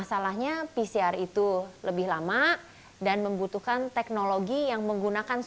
masalahnya pcr itu lebih lama dan membutuhkan teknologi yang lebih mudah untuk menentukan